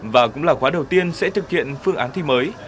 và cũng là khóa đầu tiên sẽ thực hiện phương án thi mới